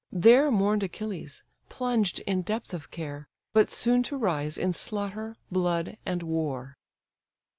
There mourn'd Achilles, plunged in depth of care, But soon to rise in slaughter, blood, and war.